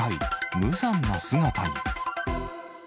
無残な姿に。